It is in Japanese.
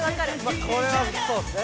まあこれはそうっすね。